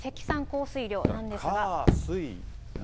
降水量なんですが。